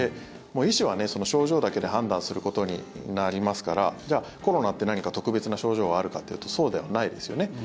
医師は症状だけで判断することになりますからじゃあコロナって何か特別な症状があるかというとそうではないですよね。